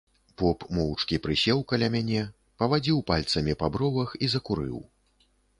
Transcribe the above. Поп моўчкі прысеў каля мяне, павадзіў пальцамі па бровах і закурыў.